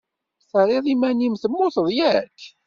Terriḍ iman-im temmuteḍ yak?